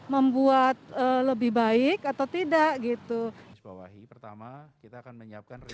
membuat lebih baik atau tidak gitu